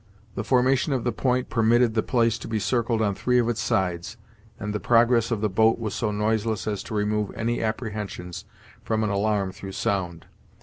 The formation of the point permitted the place to be circled on three of its sides, and the progress of the boat was so noiseless as to remove any apprehensions from an alarm through sound.